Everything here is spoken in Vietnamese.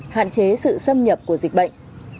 hạn chế sự xâm nhập của dịch bệnh